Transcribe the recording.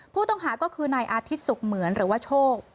ผู้ต้องหาก็คือนายอาทิตย์สุขเหมือนหรือว่าโชค